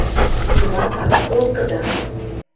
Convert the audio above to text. Йылата... колтыда!